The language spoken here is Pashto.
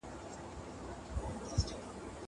زه به کتابونه وړلي وي!